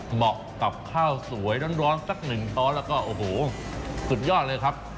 เหมาะกับข้าวสวยร้อนสักหนึ่งตอนแล้วก็โอ้โหสุดยอดเลยครับ